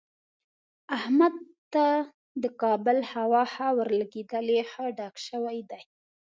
احمد ته د کابل هوا ښه ورلګېدلې، ښه ډک شوی دی.